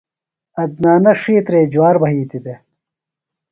عدنانہ ڇِھیترے جُوار بھئیتیۡ دےۡ۔